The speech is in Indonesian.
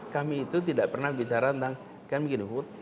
kami itu tidak pernah bicara tentang